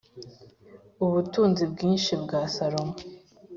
Ubutunzi bwinshi bwa Salomo